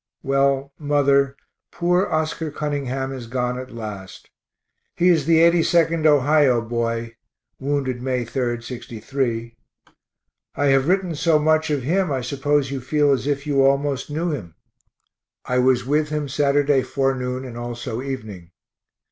Well, mother, poor Oscar Cunningham is gone at last. He is the 82d Ohio boy (wounded May 3d, '63). I have written so much of him I suppose you feel as if you almost knew him. I was with him Saturday forenoon and also evening.